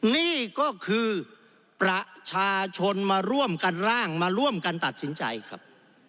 นี่ก็คือประชาชนมาร่วมกันร่างมาร่วมกันตัดสินใจครับ